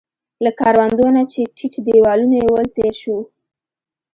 له کروندو نه چې ټیټ دیوالونه يې ول، تېر شوو.